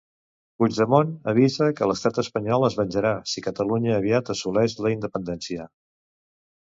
Puigdemont avisa que l'estat espanyol es venjarà si Catalunya aviat assoleix la independència.